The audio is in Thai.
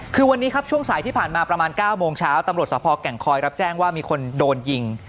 คือวันนี้ครับช่วงสายที่ผ่านมาประมาณ๙โมงเช้าตำรวจสภแก่งคอยรับแจ้งว่ามีคนโดนยิง